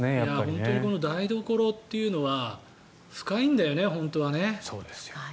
本当にこの台所というのは深いんだよね、本当はね。